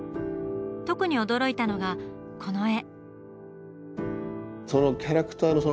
特に驚いたのがこの絵。